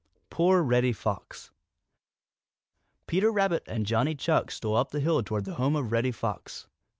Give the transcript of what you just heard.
Poor Reddy Fox Peter Rabbit and Johnny Chuck stole up the hill toward the home of Reddy Fox.